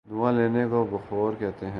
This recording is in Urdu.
دھواں لینے کو بخور کہتے ہیں۔